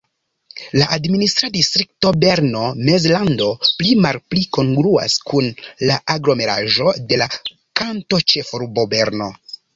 La administra distrikto Berno-Mezlando pli-malpli kongruas kun la aglomeraĵo de la kantonĉefurbo Berno.